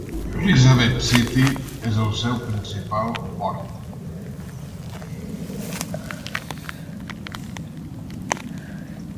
Elizabeth City és el seu principal port.